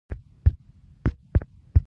تور پوستي کارګران قصداً غیر مسلکي ساتل کېدل.